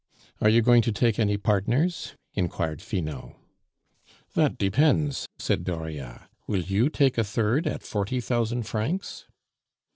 "Are you going to take any partners?" inquired Finot. "That depends," said Dauriat. "Will you take a third at forty thousand francs?"